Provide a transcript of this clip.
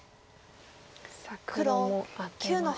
さあ黒もアテました。